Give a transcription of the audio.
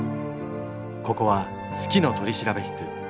ここは「好きの取調室」。